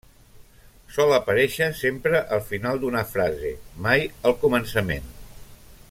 Sol aparèixer sempre al final d'una frase, mai al començament.